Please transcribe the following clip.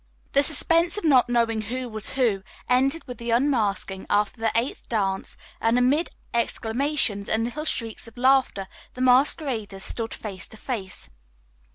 The suspense of not knowing who was who ended with the unmasking after the eighth dance, and amid exclamations and little shrieks of laughter the masqueraders stood face to face.